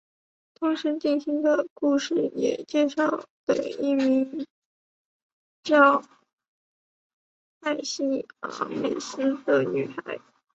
同时进行的故事也介绍的一位名叫凯西阿美斯的女孩。